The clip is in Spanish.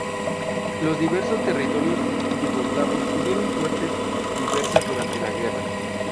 Los diversos territorios yugoslavos tuvieron suertes diversas durante la guerra.